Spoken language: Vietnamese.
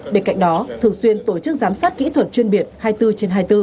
bên cạnh đó thường xuyên tổ chức giám sát kỹ thuật chuyên biệt hai mươi bốn trên hai mươi bốn